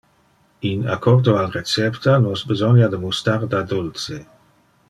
In accordo al recepta, nos besonia de mustarda dulce.